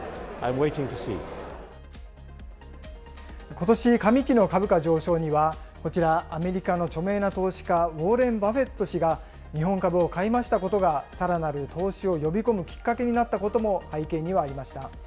ことし上期の株価上昇には、こちら、アメリカの著名な投資家、ウォーレン・バフェット氏が、日本株を買い増したことがさらなる投資を呼び込むきっかけになったことも背景にはありました。